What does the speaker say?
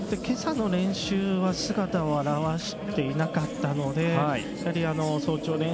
今朝の練習は姿を現していなかったので早朝